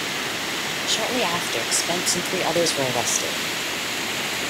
Shortly after, Spence and three others were arrested.